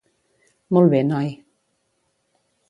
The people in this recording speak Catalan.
Molt bé, noi.